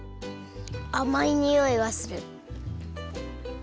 あまいにおいがする。